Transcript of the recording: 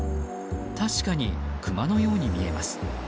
確かにクマのように見えます。